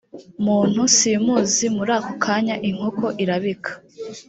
muntu simuzi muri ako kanya inkoko irabika